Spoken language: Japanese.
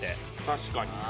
確かに。